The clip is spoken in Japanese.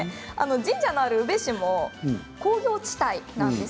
神社のある宇部市は工業地帯なんです。